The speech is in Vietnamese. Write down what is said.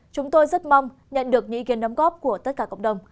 chúng tôi rất mong nhận được ý kiến đóng góp của tất cả cộng đồng